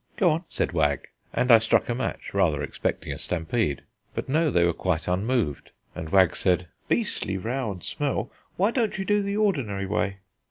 "Go on," said Wag; and I struck a match, rather expecting a stampede. But no, they were quite unmoved, and Wag said, "Beastly row and smell why don't you do the ordinary way?"